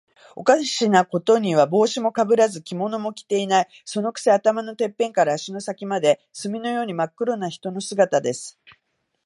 おかしなことには、帽子もかぶらず、着物も着ていない。そのくせ、頭のてっぺんから足の先まで、墨のようにまっ黒な人の姿です。